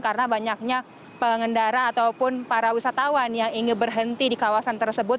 karena banyaknya pengendara ataupun para wisatawan yang ingin berhenti di kawasan tersebut